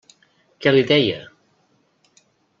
Què li deia?